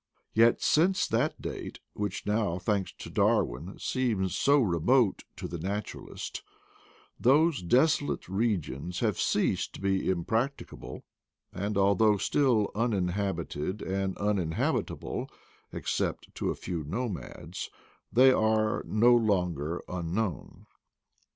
Yet since that date — which now, thanks to Darwin, seems so remote to the natural ist — those desolate regions have ceased to be im practicable, and, although still uninhabited and uninhabitable, except to a few nomads, they are no longer unknown.